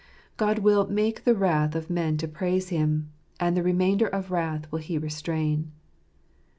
God will " make the wrath of man to praise Him ; and the remainder of wrath will He restrain."